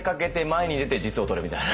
みたいな。